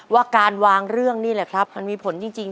ว่าการวางเรื่องนี่แหละครับมันมีผลจริง